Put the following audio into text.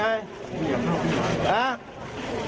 อย่าเดินอย่าเดิน